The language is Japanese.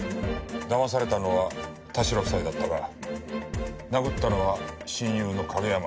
だまされたのは田代夫妻だったが殴ったのは親友の景山。